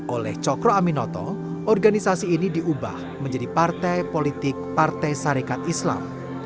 oleh cokro aminoto organisasi ini diubah menjadi partai politik partai sarekat islam